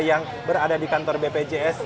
yang berada di kantor bpjs